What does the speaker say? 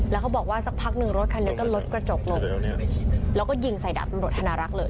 แล้วเขาบอกว่าสักพักหนึ่งรถคันนี้ก็ลดกระจกลงแล้วก็ยิงใส่ดาบตำรวจธนารักษ์เลย